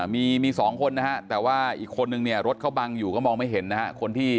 มีสองคนนะฮะแต่ว่าอีกคนนึงเนี่ยรถเขาบังอยู่ก็มองไม่เห็นนะฮะคนที่